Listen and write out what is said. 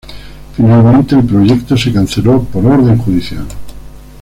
Finalmente, el proyecto se canceló por orden judicial.